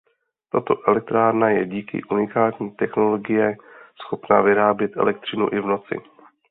Tato elektrárna je díky unikátní technologie schopna vyrábět elektřinu i v noci.